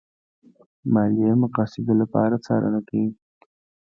ماليې مقاصدو لپاره څارنه کوي.